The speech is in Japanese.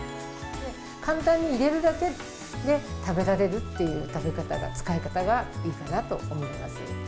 簡単に入れるだけで、食べられるっていう食べ方が、使い方がいいかなと思います。